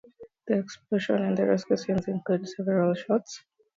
The explosion and the rescue scenes include several shots.